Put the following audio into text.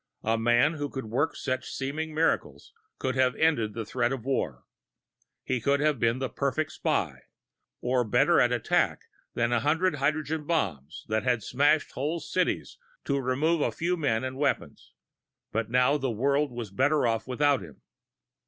A man who could work such seeming miracles might have ended the threat of war; he'd have been the perfect spy, or better at attack than a hundred hydrogen bombs that had to smash whole cities to remove a few men and weapons. But now the world was better off without him.